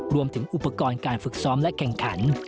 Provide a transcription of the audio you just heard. รวมถึงอุปกรณ์การฝึกซ้อมและแข่งขัน